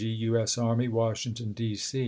G., U. S. Army, Washington, D.